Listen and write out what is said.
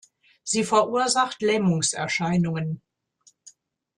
Sie verursacht Lähmungserscheinungen.